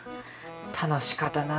楽しかったな。